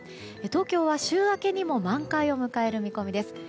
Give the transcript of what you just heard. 東京は週明けにも満開を迎える見込みです。